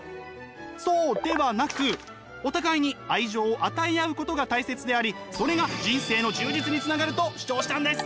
そうではなくお互いに愛情を与え合うことが大切でありそれが人生の充実につながると主張したんです。